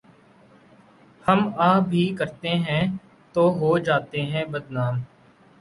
ہم آہ بھی کرتے ہیں تو ہو جاتے ہیں بدنام۔